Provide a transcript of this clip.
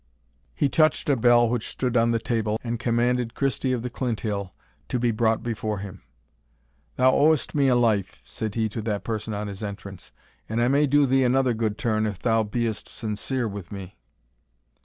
He touched a bell which stood on the table, and commanded Christie of the Clinthill to be brought before him. "Thou owest me a life," said he to that person on his entrance, "and I may do thee another good turn if thou be'st sincere with me."